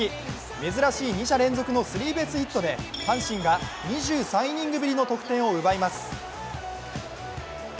珍しい二者連続のスリーベースヒットで阪神が２３イニングぶりの得点を奪います。